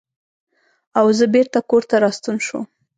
او زۀ بېرته کورته راستون شوم ـ